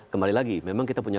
kembali lagi memang kita punya